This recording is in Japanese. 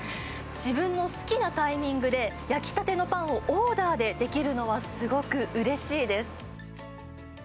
自分の好きなタイミングで焼きたてのパンをオーダーでできるのはすごくうれしいです。